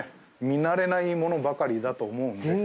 見慣れないものばかりだと思うんですよね